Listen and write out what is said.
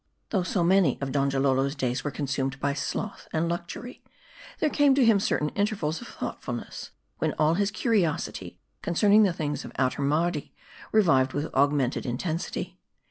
Though so many of Donjalolo's days were consumed by sloth and luxury, there came to him certain intervals of thoughtfulness, when all his curiosity concerning the things of outer Mardi revived with augmented intensity.